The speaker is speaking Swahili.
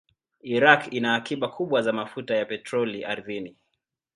Iraq ina akiba kubwa za mafuta ya petroli ardhini.